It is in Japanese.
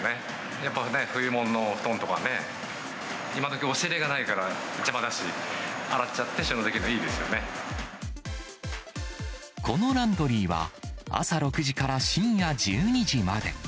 やっぱりね、冬物の布団とかね、今どき、押し入れがないから邪魔だし、洗っちゃって収納できるの、このランドリーは、朝６時から深夜１２時まで。